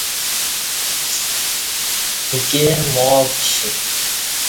ایکے معاف کشی